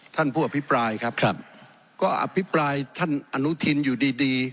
ท่านผู้อภิปรายครับครับก็อภิปรายท่านอนุทินอยู่ดีดี